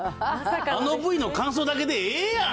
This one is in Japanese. あのＶの感想だけでええやん！